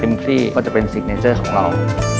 เฟรมพลีก็จะเป็นซิกเนเจอร์ของเรา